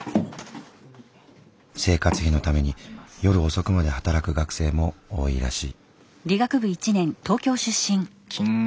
生活費のために夜遅くまで働く学生も多いらしい。